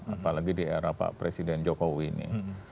apalagi di era pak presiden jokowi ini